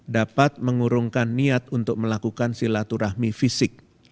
dapat mengurungkan niat untuk melakukan silaturahmi fisik